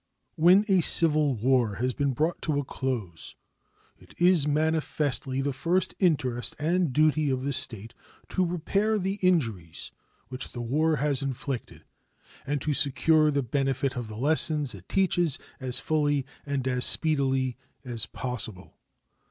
When a civil war has been brought to a close, it is manifestly the first interest and duty of the state to repair the injuries which the war has inflicted, and to secure the benefit of the lessons it teaches as fully and as speedily as possible.